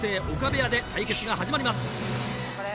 おかべ家で対決が始まります。